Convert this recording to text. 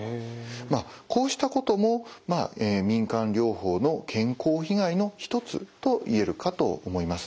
まあこうしたことも民間療法の健康被害の一つと言えるかと思います。